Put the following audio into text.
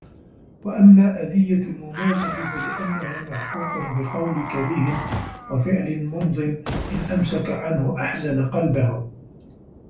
وَأَمَّا أَذِيَّةُ الْمُمَازِحِ فَلِأَنَّهُ مَعْقُوقٌ بِقَوْلٍ كَرِيهٍ وَفِعْلٍ مُمْضٍ إنْ أَمْسَكَ عَنْهُ أَحْزَنَ قَلْبَهُ